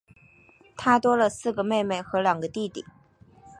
她多了四个妹妹和两个弟弟